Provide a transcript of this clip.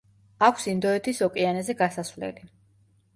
აქვს ინდოეთის ოკეანეზე გასასვლელი.